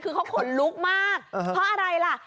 คือเขาขนลุกมากเพราะอะไรล่ะ